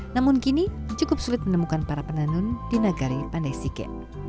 namun kini cukup sulit menemukan para penenun di nagari pandai sike